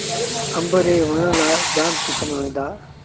آݩب ري وڻ رآ جآم ڪسم ٿئيٚݩ دآ۔